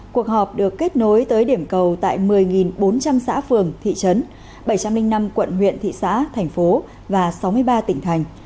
cuộc họp được kết nối tới điểm cầu tại một mươi bốn trăm linh xã phường thị trấn bảy trăm linh năm quận huyện thị xã thành phố và sáu mươi ba tỉnh thành